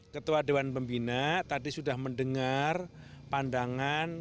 ketua dewan pembina tadi sudah mendengar pandangan